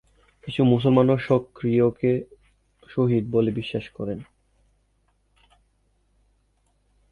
কিছু মুসলমানও সখরিয়কে শহীদ বলে বিশ্বাস করেন।